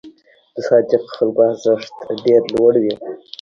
د صادقو خلکو ارزښت ډېر لوړ وي.